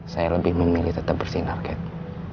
saya lebih memilih tetap bersinar kate